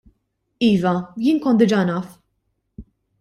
Iva, jien kont diġà naf.